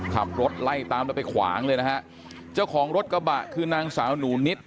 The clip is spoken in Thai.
ขับรถไล่ตามแล้วไปขวางเลยนะฮะเจ้าของรถกระบะคือนางสาวหนูนิด